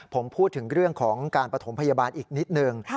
ผมพูดถึงเรื่องของการปฐมพยาบาลอีกนิดนึง